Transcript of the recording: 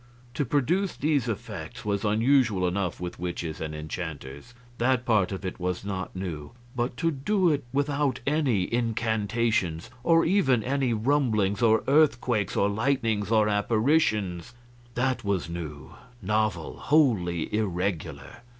To produce these effects was usual enough with witches and enchanters that part of it was not new; but to do it without any incantations, or even any rumblings or earthquakes or lightnings or apparitions that was new, novel, wholly irregular.